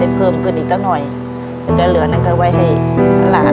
ทับผลไม้เยอะเห็นยายบ่นบอกว่าเป็นยังไงครับ